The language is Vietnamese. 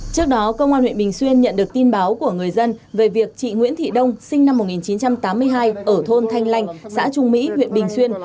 trước đó công an huyện bình xuyên nhận được tin báo của người dân về việc chị nguyễn thị đông sinh năm một nghìn chín trăm tám mươi hai ở thôn thanh lanh xã trung mỹ huyện bình xuyên